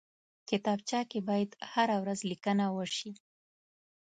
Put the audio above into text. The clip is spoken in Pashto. کتابچه کې باید هره ورځ لیکنه وشي